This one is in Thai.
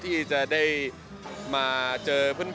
ที่จะได้มาเจอเพื่อน